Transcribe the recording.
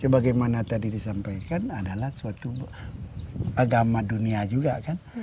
bagaimana tadi disampaikan adalah suatu agama dunia juga kan